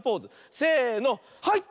せのはい！